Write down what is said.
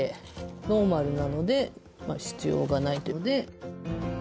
ノーマルなので必要がないというので。